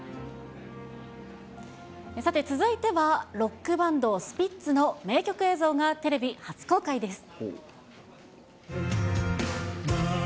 さて、続いてはロックバンド、スピッツの名曲映像がテレビ初公開です。